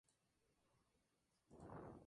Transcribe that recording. Por el Frente Popular salió elegido solamente Manso.